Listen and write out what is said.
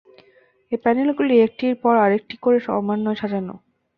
এ প্যানেলগুলি একটির উপর আরেকটি করে ক্রমান্বয়ে সাজানো।